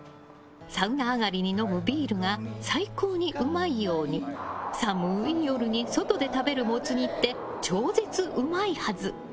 サウナ上がりに飲むビールが最高にうまいように寒い夜に外で食べるモツ煮って超絶うまいはず！